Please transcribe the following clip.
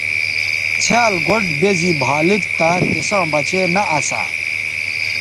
څھیال گوٹھ بے زی بھا لید تہ تِساں بچے نہ اسا۔